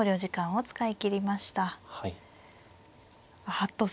はい。